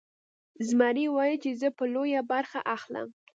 زمري ویل چې زه به لویه برخه اخلم.